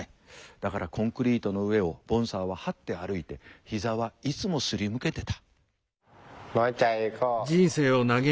だからコンクリートの上をボンサーははって歩いて膝はいつもすりむけてた。